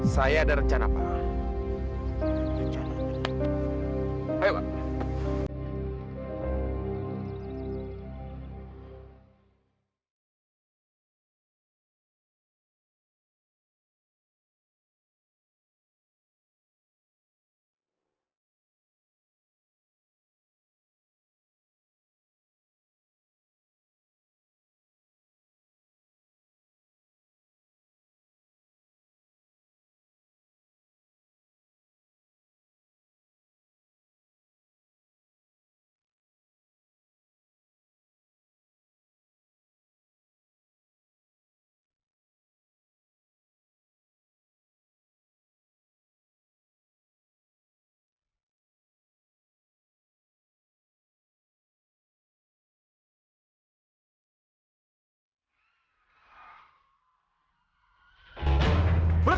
saya ada rencana pak